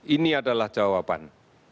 ini adalah jawaban